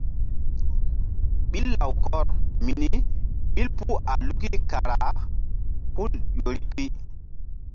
Ɓil lawkɔr mini ɓil puh a luki kara hul ƴo ri pi.